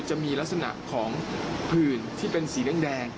จะมีลักษณะของผื่นที่เป็นสีแดง